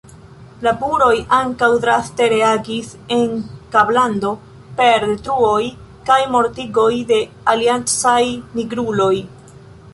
La buroj ankaŭ draste reagis en Kablando per detruoj kaj mortigoj de aliancaj nigruloj.